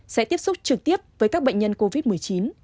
sẽ tiếp xúc trực tiếp với các bệnh nhân covid một mươi chín